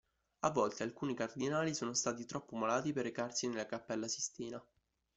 A volte, alcuni cardinali sono stati troppo malati per recarsi nella Cappella Sistina.